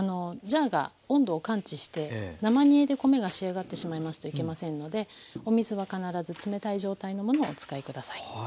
ジャーが温度を感知して生煮えで米が仕上がってしまいますといけませんのでお水は必ず冷たい状態のものをお使い下さい。